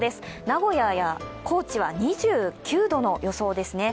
名古屋や高知は２９度の予想ですね。